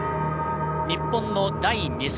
日本の第２戦。